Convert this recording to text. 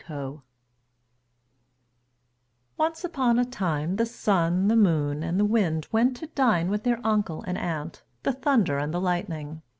COE Once upon a time the Sun, the Moon, and the Wind went to dine with their uncle and aunt, the Thunder and the Lightning.